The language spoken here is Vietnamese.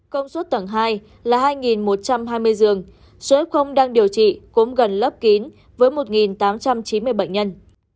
công suất tầng hai là hai một trăm hai mươi giường số f đang điều trị cũng gần lớp kín với một tám trăm chín mươi bệnh nhân